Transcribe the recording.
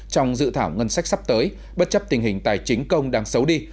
trong dự thảo ngân sách sắp tới bất chấp tình hình tài chính công đang xấu đi